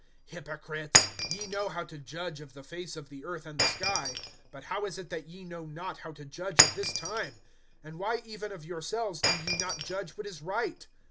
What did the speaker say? (56)Hypocrites! Ye know how to judge of the face of the earth and the sky; but how is it that ye know not how to judge of this time? (57)And why even of yourselves do ye not judge what is right?